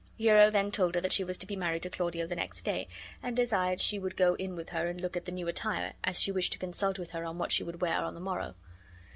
Hero then told her that she was to be married to Claudio the next day, and desired she would go in with her and look at some new attire, as she wished to consult with her on what she would wear on the morrow.